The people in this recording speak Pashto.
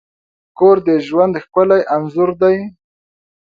کور د ژوند ښکلی انځور دی.